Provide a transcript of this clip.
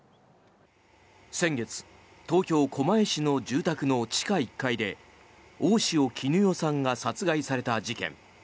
先月、東京・狛江市の住宅の地下１階で大塩衣與さんが殺害された事件。